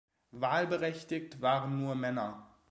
Wahlberechtigt waren nur Männer.